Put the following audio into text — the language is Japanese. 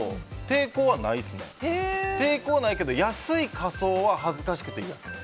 抵抗はないけど安い仮装は恥ずかしくて嫌ですね。